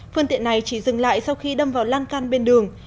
phương tiện này chỉ dừng lại sau khi đâm vào lan can bên đường